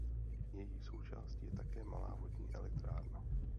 Její součástí je také malá vodní elektrárna.